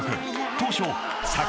［当初］